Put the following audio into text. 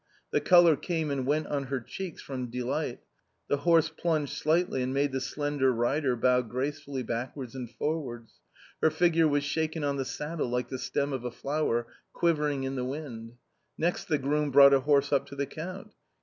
The colour came and went on her cheeks from delight. The horse plunged slightly and made the slender rider bow gracefully backwards and forwards. Her figure was shaken on the saddle like the stem of a flower quivering in the wind. Next the groom brought a horse up to the Count.